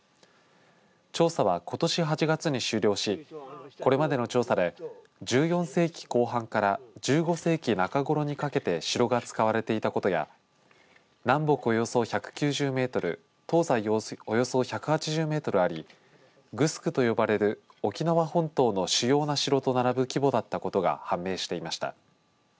調査は、ことし８月に終了しこれまでの調査で１４世紀後半から１５世紀中頃にかけて城が使われていたことや南北およそ１９０メートル東西およそ１８０メートルありグスクと呼ばれる沖縄本島の主要な城と並ぶ規模だったことが判明していました。